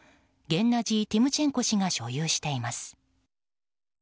ゲンナジー・ティムチェンコ氏が所有しています。